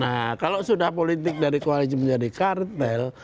nah kalau sudah politik dari koalisi menjadi kartel